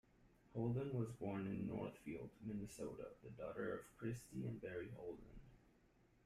Holden was born in Northfield, Minnesota, the daughter of Kristi and Barry Holden.